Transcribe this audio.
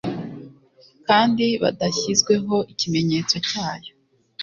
kandi batashyizweho ikimenyetso cyayo.